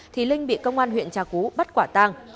thị linh bị công an huyện trà cú bắt quả tàng